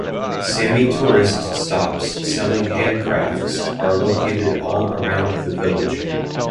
Sami tourist stops selling handicrafts are located all around the village.